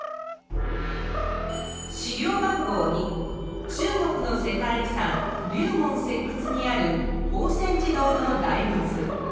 資料番号２中国の世界遺産竜門石窟にある奉先寺洞の大仏。